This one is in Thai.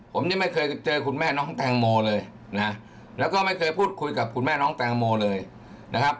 ผมนี่ไม่เคยเจอคุณแม่น้องแตงโมเลยนะแล้วก็ไม่เคยพูดคุยกับคุณแม่น้องแตงโมเลยนะครับ